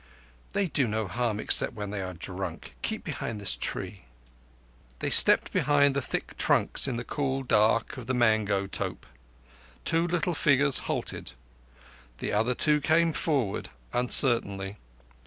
"They do no harm except when they are drunk. Keep behind this tree." They stepped behind the thick trunks in the cool dark of the mango tope. Two little figures halted; the other two came forward uncertainly.